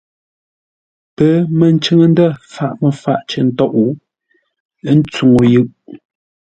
Pəməncʉŋ-ndə̂ faʼ məfaʼ cər ntôʼ, ə́ ntsuŋu yʉʼ.